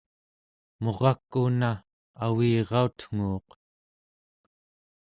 murak una avirautnguuq